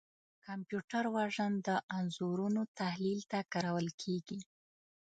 کمپیوټر وژن د انځورونو تحلیل ته کارول کېږي.